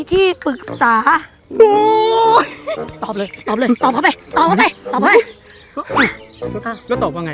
เนาเลย